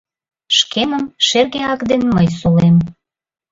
Шкемым шерге ак ден мый сулем: